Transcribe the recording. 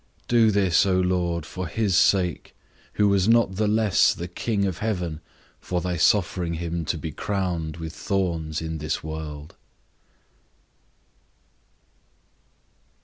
Do this, O Lord, for his sake, who was not the less the King of heaven for thy suffering him to be crowned with thorns in this world.